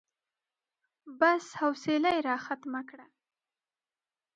بس، حوصله يې راختمه کړه.